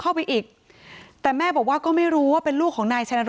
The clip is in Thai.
ทั้งครูก็มีค่าแรงรวมกันเดือนละประมาณ๗๐๐๐กว่าบาท